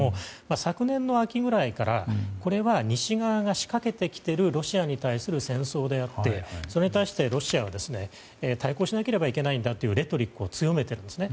昨年の秋ぐらいからこれは西側が仕掛けてきているロシアに対する戦争であってそれに対してロシアは対抗しなければいけないんだというレトリックを強めてるんですね。